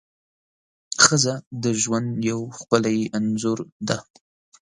ښځه د ژوند یو ښکلی انځور ده.